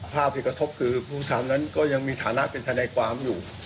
ภาพที่กระทบคือผู้ทำนั้นก็ยังมีฐานะเป็นทนายความอยู่